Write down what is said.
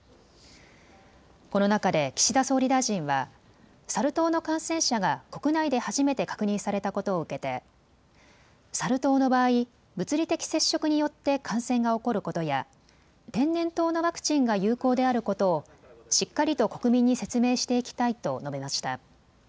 この中で岸田総理大臣はサル痘の感染者が国内で初めて確認されたことを受けてサル痘の場合、物理的接触によって感染が起こることや天然痘のワクチンが有効であることをしっかりと国民に説明していきたいと述べました。